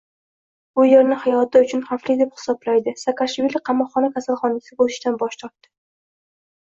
U yerni hayoti uchun xavfli deb hisoblaydi: Saakashvili qamoqxona kasalxonasiga o‘tishdan bosh tortdi